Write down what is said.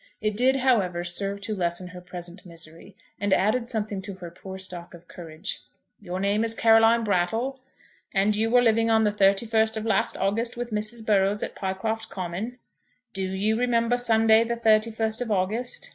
It did, however, serve to lessen her present misery, and added something to her poor stock of courage. "Your name is Caroline Brattle?" "And you were living on the thirty first of last August with Mrs. Burrows at Pycroft Common?" "Do you remember Sunday the thirty first of August?"